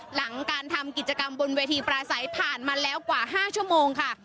หลังการทำกิจกรรมบนเวทีปราศัยผ่านมาแล้วกว่า๕ชั่วโมงค่ะ